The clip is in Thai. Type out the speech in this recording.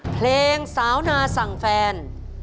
เพลงสาวนาสั่งแฟน